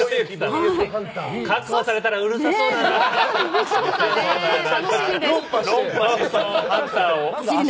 確保されたら、うるさそうだな。